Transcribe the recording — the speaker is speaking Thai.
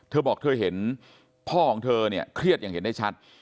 เธอบอกเธอเห็นพ่อของเธอเนี่ยเครียดอย่างเห็นได้ชัด